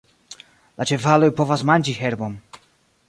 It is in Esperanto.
La ĉevaloj povas manĝi herbon.